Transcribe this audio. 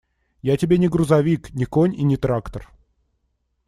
Я тебе не грузовик, не конь и не трактор.